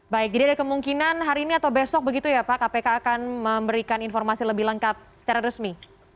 baik jadi ada kemungkinan hari ini atau besok begitu ya pak kpk akan memberikan informasi lebih lengkap secara resmi